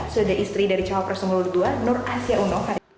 sudah istri dari cawa prasumur ii nur asia uno